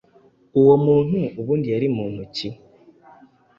uwo muntu ubundi yari muntu ki?